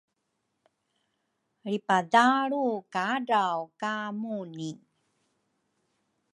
lripadalru kadraw ka Muni.